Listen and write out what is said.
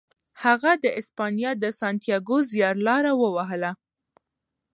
هغه د اسپانیا د سانتیاګو زیارلاره ووهله.